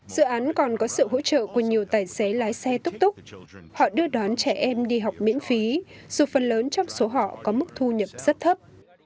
dự án còn có sự hỗ trợ của nhiều tài xế lái xe túc túc họ đưa đón trẻ em đi học miễn phí dù phần lớn trong số họ có mức thu nhập rất thấp